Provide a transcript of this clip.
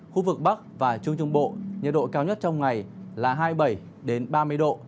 khu vực bắc và trung trung bộ nhiệt độ cao nhất trong ngày là hai mươi bảy ba mươi độ